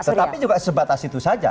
tetapi juga sebatas itu saja